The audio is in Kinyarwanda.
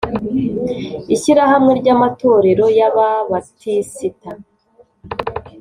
Ishyirahamwe ry Amatorero y Ababatisita